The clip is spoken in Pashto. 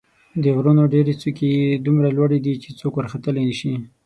د غرونو ډېرې څوکې یې دومره لوړې دي چې څوک ورختلای نه شي.